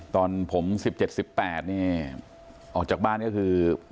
ตอนผม๑๗๑๘นี่ออกจากบ้านก็คือ